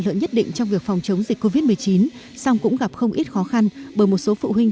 lợi nhất định trong việc phòng chống dịch covid một mươi chín song cũng gặp không ít khó khăn bởi một số phụ huynh